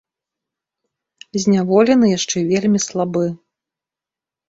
Зняволены яшчэ вельмі слабы.